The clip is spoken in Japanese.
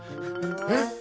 えっ？